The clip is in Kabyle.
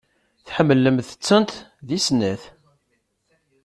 Tḥemmlemt-tent deg snat.